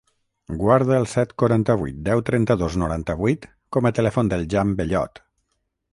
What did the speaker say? Guarda el set, quaranta-vuit, deu, trenta-dos, noranta-vuit com a telèfon del Jan Bellot.